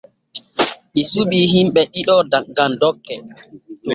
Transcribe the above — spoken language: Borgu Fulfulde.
Ɗi suɓii himbe ɗiɗo gam dokke.